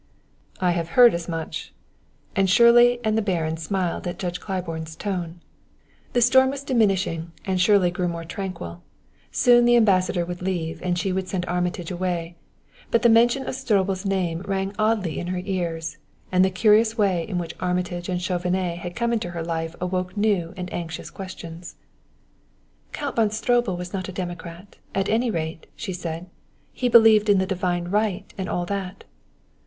"I have heard as much," and Shirley and the Baron smiled at Judge Claiborne's tone. The storm was diminishing and Shirley grew more tranquil. Soon the Ambassador would leave and she would send Armitage away; but the mention of Stroebel's name rang oddly in her ears, and the curious way in which Armitage and Chauvenet had come into her life awoke new and anxious questions. "Count von Stroebel was not a democrat, at any rate," she said. "He believed in the divine right and all that."